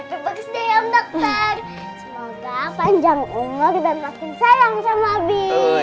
happy birthday om dokter semoga panjang umur dan makin sayang sama abi